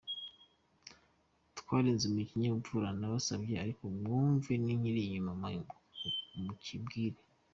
Twarezwe mu kinyabupfura; nabasabye ariko mwumve n’ikiri inyuma mukibwire.